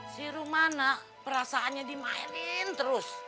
si rumah anak perasaannya dimainin terus